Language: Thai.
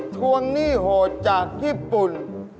ทวงหนี้โหดจากญี่ปุ่น